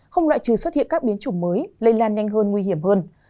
không loại trừ xuất hiện các biến chủng mới lây lan nhanh hơn nguy hiểm hơn